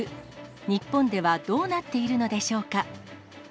日本ではどうなっているのでしょうか。